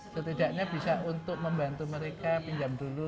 setidaknya bisa untuk membantu mereka pinjam dulu